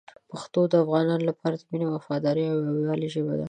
پښتو د افغانانو لپاره د مینې، وفادارۍ او یووالي ژبه ده.